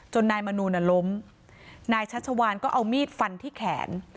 นายมนูลน่ะล้มนายชัชวานก็เอามีดฟันที่แขน